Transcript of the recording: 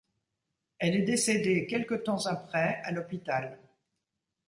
Elle est décédée quelques temps après à l’hôpital.